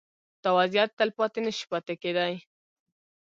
دا وضعیت تلپاتې نه شي پاتې کېدای.